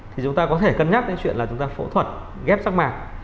thì chúng ta có thể cân nhắc đến chuyện là chúng ta phẫu thuật ghép rác mạc